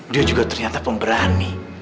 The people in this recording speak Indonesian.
dia juga ternyata pemberani